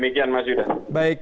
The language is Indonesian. baik terima kasih bapak panglima